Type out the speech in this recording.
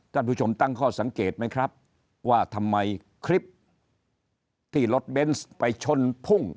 ท่านผู้ชมตั้งข้อสังเกตไหมครับว่าทำไมคลิปที่รถเบนส์ไปชนพุ่ง